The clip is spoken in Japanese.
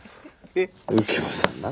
右京さん